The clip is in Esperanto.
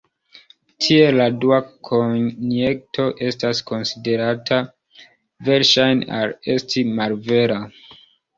Tiel la dua konjekto estas konsiderata verŝajne al esti malvera.